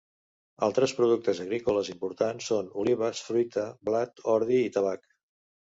Altres productes agrícoles importants són olives, fruita, blat, ordi i tabac.